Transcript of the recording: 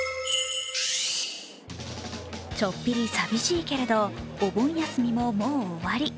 ちょっぴり寂しいけれどお盆休みも、もう終わり。